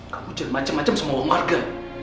kamu jen macem macem sama uang warga